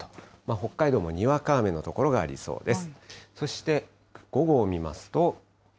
北海道もにわか雨の所がありそうです。